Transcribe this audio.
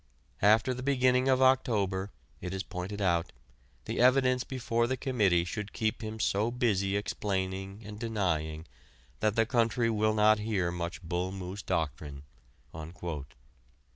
After the beginning of October, it is pointed out, the evidence before the Committee should keep him so busy explaining and denying that the country will not hear much Bull Moose doctrine."